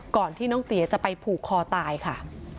ก่อนที่น้องเตี๋ยจะไปผูกคอตายค่ะ